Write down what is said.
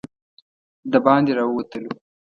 د باندې راووتلو.